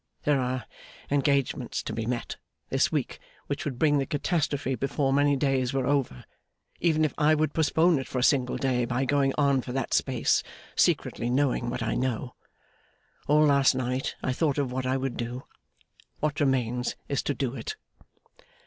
There are engagements to be met, this week, which would bring the catastrophe before many days were over, even if I would postpone it for a single day by going on for that space, secretly knowing what I know. All last night I thought of what I would do; what remains is to do it.